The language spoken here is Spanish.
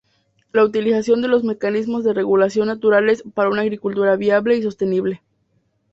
La utilización de los mecanismos de regulación naturales para una agricultura viable y sostenible.